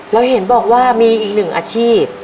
เห็นบอกว่ามีอีกหนึ่งอาชีพ